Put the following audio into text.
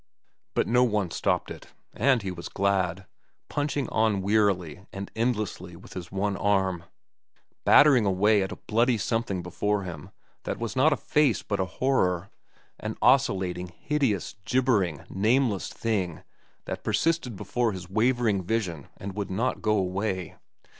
But no one stopped it, and he was glad, punching on wearily and endlessly with his one arm, battering away at a bloody something before him that was not a face but a horror, an oscillating, hideous, gibbering, nameless thing that persisted before his wavering vision and would not go away.